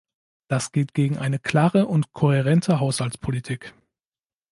Das geht gegen eine klare und kohärente Haushaltspolitik.